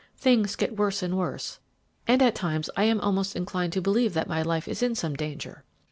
Things get worse and worse, and at times I am almost inclined to believe that my life is in some danger.